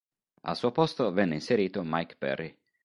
Al suo posto venne inserito Mike Perry.